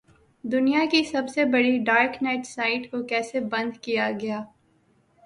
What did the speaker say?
دنیا کی سب سے بڑی ڈارک نیٹ سائٹ کو کیسے بند کیا گیا؟